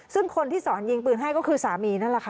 ซึ่งคนที่สอนยิงปืนให้ก็คือสามีนั่นแหละค่ะ